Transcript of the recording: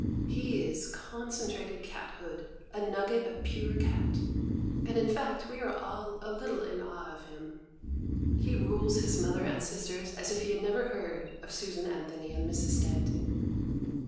He is concentrated cathood, a nugget of pure cat; and in fact we are all a little in awe of him. He rules his mother and sisters as if he had never heard of Susan Anthony and Mrs. Stanton.